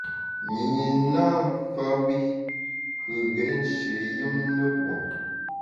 Nyinyi nâ mfa wi kù ghét nshié yùm ne pue.